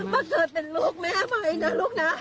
มาเกิดเป็นลูกแม่ใหม่นะลูกนะ